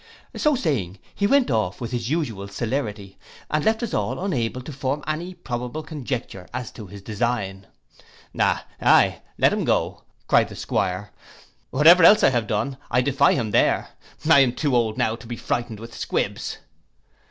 '—So saying he went off with his usual celerity, and left us all unable to form any probable conjecture as to his design.—'Ay let him go,' cried the 'Squire, 'whatever else I may have done I defy him there. I am too old now to be frightened with squibs.